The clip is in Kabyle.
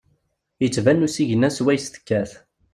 Yettban usigna swayes tekkat.